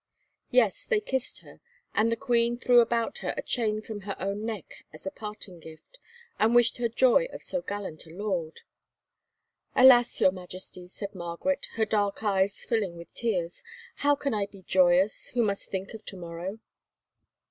Yes, they kissed her, and the queen threw about her a chain from her own neck as a parting gift, and wished her joy of so gallant a lord. "Alas! your Majesty," said Margaret, her dark eyes filling with tears, "how can I be joyous, who must think of to morrow?"